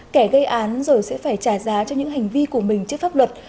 kẻ gây án rồi sẽ phải trả giá cho những hành vi của mình trước pháp luật